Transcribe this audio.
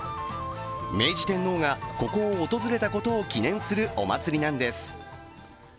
明治天皇がここを訪れたことを記念するお祭りなんです。